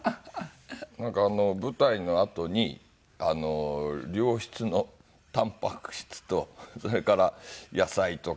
なんか舞台のあとに良質のタンパク質とそれから野菜とか。